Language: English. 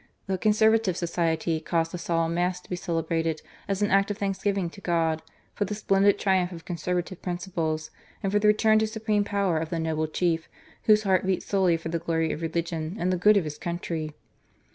The "Conservative Society" caused a solemn Mass to be celebrated, as an act of thanksgiving to God "for the splendid triumph of Conservative principles, and for the return to supreme power of the noble Chief,, whose heart beat solely for the glory of religion and the good of his country."